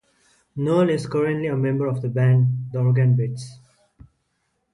Noelle is currently a member of the band The Organ Beats.